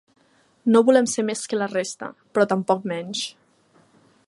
No volem ser més que la resta, però tampoc menys.